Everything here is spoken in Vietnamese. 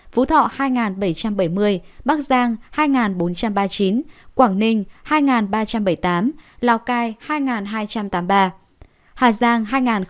phú thọ hai bảy trăm bảy mươi bắc giang hai bốn trăm ba mươi chín quảng ninh hai ba trăm bảy mươi tám lào cai hai hai trăm tám mươi ba hà giang hai nghìn một mươi chín